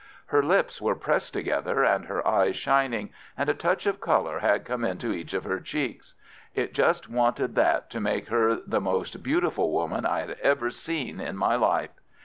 Her lips were pressed together and her eyes shining, and a touch of colour had come into each of her cheeks. It just wanted that to make her the most beautiful woman I had ever seen in my life.